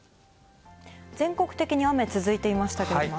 全国的に雨、続いていました